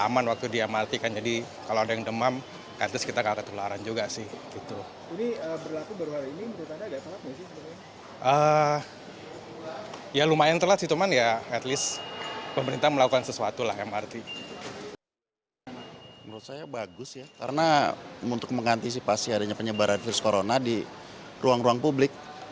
menurut saya bagus ya karena untuk mengantisipasi adanya penyebaran virus corona di ruang ruang publik